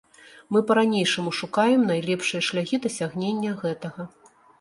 Мы па-ранейшаму шукаем найлепшыя шляхі дасягнення гэтага.